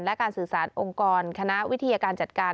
และการสื่อสารองค์กรคณะวิทยาการจัดการ